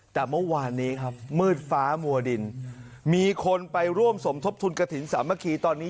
ที่มีทั้งคนไปร่วมสมทบทุนกระถิญสามะครี